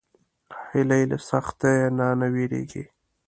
هیلۍ له سختیو نه نه وېرېږي